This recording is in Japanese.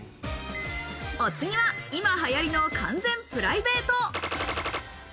お次は今流行の完全プライベート。